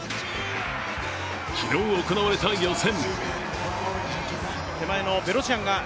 昨日行われた予選。